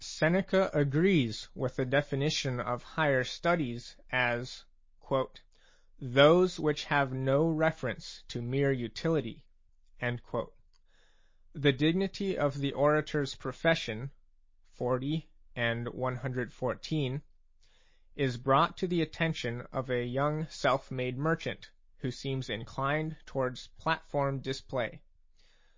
Seneca agrees with the definition of higher studies as " those which have no reference to mere utility." The dignity of the orator's profession (XL. and CXIV.) is brought to the attention of a young self made merchant who seems inclined towards platform display.